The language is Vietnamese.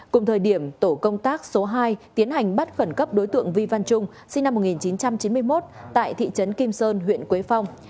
cùng thời điểm tổ công tác số hai tiến hành bắt khẩn cấp đối tượng vi văn trung sinh năm một nghìn chín trăm chín mươi một tại thị trấn kim sơn huyện quế phong